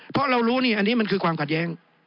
เพราะเรารู้นี่อันนี้มันคือความขัดแย้ง